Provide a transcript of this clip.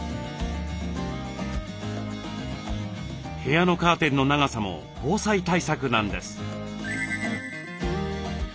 部屋のカーテンの長さも防災対策なんです。